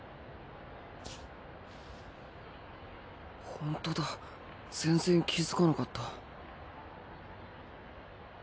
ホントだ全然気付かなかった。